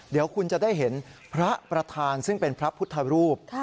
เดี๋ยวคุณจะได้เห็นพระประธานซึ่งเป็นพระพุทธรูป